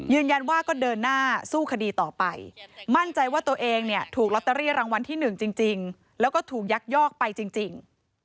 ยืนยันว่าก็เดินหน้าสู้คดีต่อไปมั่นใจว่าตัวเองเนี่ยถูกลอตเตอรี่รางวัลที่๑จริงแล้วก็ถูกยักยอกไปจริง